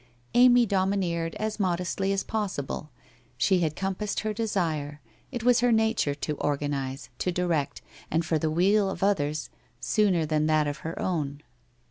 Amy domineered as modestly as possible. She had com passed her desire; it was her nature to organize, to direct, and for the weal of others sooner than that of her own.